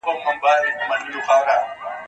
هغه څوک چي سينه سپين کوي پاک وي!.